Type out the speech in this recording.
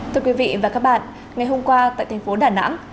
thưa quý vị và các bạn ngày hôm qua tại thành phố đà nẵng